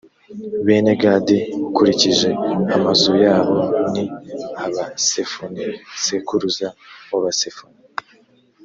bene gadi, ukurikije amazu yabo ni aba: sefoni sekuruza w’abasefoni.